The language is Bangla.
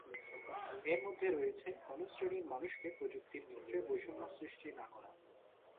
এর মধ্যে রয়েছে কোন শ্রেণীর মানুষকে প্রযুক্তির ক্ষেত্রে বৈষম্য সৃষ্টি না করা।